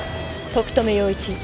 徳留陽一。